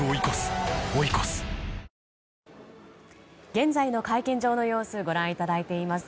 現在の会見場の様子ご覧いただいています。